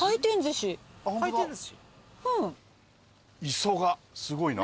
磯がすごいな。